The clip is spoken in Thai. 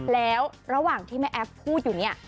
แล้วระหว่างที่แม่แอฟพูดอยู่เนี่ย